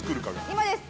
今です！